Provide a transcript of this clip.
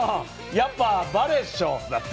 「やっぱ『バレーっしょ』」だって。